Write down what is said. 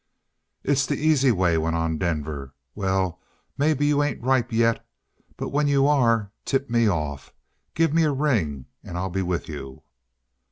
"It's the easy way," went on Denver. "Well, maybe you ain't ripe yet, but when you are, tip me off. Gimme a ring and I'll be with you."